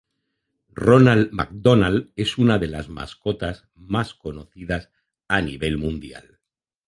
Ronald McDonald es una de las mascotas más conocidas a nivel mundial.